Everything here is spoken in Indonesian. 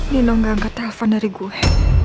nino gak angkat telepon dari gue